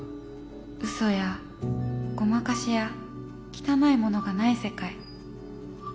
うそやごまかしや汚いものがない世界。